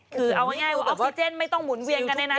คือเอาง่ายว่าออกซิเจนไม่ต้องหมุนเวียนกันเนี่ยนะ